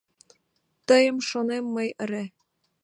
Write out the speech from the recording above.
Тыйым шонем мый эре